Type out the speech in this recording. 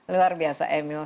luar biasa emil